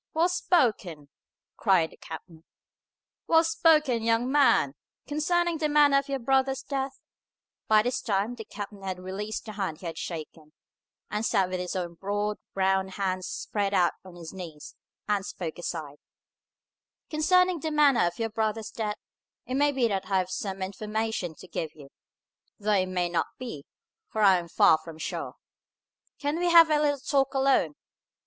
"Well spoken!" cried the captain. "Well spoken, young man! Concerning the manner of your brother's death," by this time the captain had released the hand he had shaken, and sat with his own broad, brown hands spread out on his knees, and spoke aside, "concerning the manner of your brother's death, it may be that I have some information to give you; though it may not be, for I am far from sure. Can we have a little talk alone?"